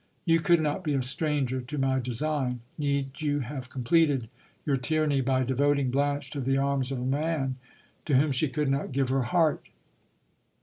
You could not be a stranger to my design ; need you have completed your tyranny by devoting Blanche to the arms of a man to whom she could not give her heart